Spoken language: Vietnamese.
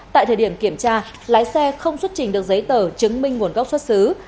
tại thời điểm kiểm tra lái xe không xuất trình được giấy tờ chứng minh nguồn gốc xuất xứ